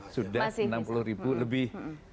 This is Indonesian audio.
sudah enam puluh ribu lebih